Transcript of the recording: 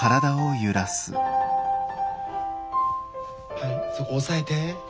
はいそこ抑えて。